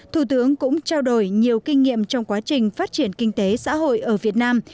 thủ tướng cũng trao đổi nhiều kinh nghiệm trong quá trình phát triển kinh tế xã hội ở việt nam